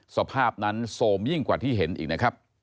สภาพนั้นโซมยิ่งกว่าที่เห็นอีกนะครับ